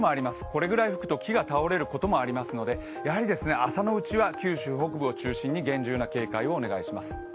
これぐらい吹くと木が倒れることもありますのでやはり、朝のうちは九州北部を中心に厳重な警戒をお願いします。